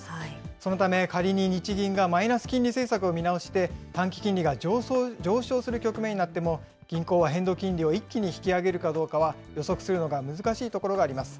そのため、仮に日銀がマイナス金利政策を見直して、短期金利が上昇する局面になっても、銀行は変動金利を一気に引き上げるかどうかは、予測するのが難しいところがあります。